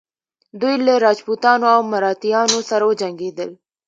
دوی له راجپوتانو او مراتیانو سره وجنګیدل.